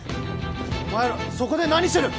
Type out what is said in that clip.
・お前らそこで何してる？